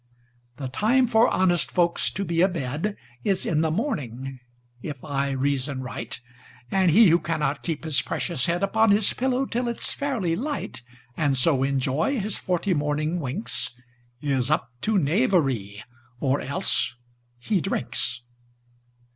The time for honest folks to be a bedIs in the morning, if I reason right; And he who cannot keep his precious headUpon his pillow till it 's fairly light, And so enjoy his forty morning winks, Is up to knavery; or else—he drinks!